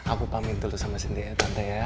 aku pamit dulu sama cynthia ya tante ya